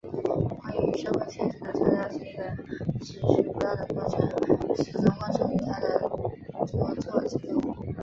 关于社会现实的创造是一个持续不断的过程始终贯穿于他的着作之中。